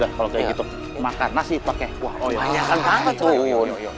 makan nasi pakai